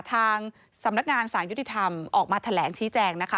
ทางสำนักงานสารยุติธรรมออกมาแถลงชี้แจงนะคะ